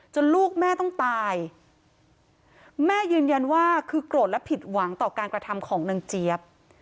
ลูกแม่ต้องตายแม่ยืนยันว่าคือโกรธและผิดหวังต่อการกระทำของนางเจี๊ยบ